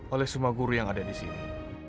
oleh semua guru yang ada disini